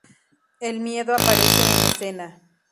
El miedo aparece en escena.